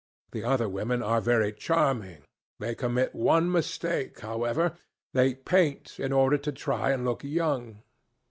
The other women are very charming. They commit one mistake, however. They paint in order to try and look young.